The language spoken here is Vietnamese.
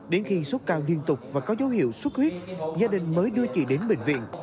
đến khi sốt cao liên tục và có dấu hiệu xuất huyết gia đình mới đưa chị đến bệnh viện